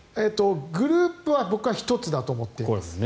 グループは僕は１つだと思っています。